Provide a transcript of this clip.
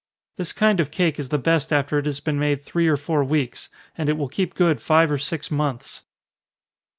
This kind of cake is the best after it has been made three or four weeks, and it will keep good five or six months.